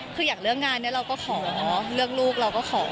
คืออยากเลือกงานเนี่ยเราก็ขอเลือกลูกเราก็ขอ